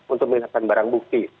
untuk melakukan barang bukti